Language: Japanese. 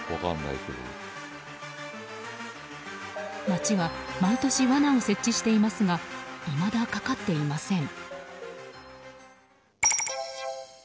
町は毎年罠を設置していますがいまだかかっていません。